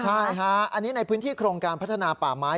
ใช่ฮะอันนี้ในพื้นที่โครงการพัฒนาป่าไม้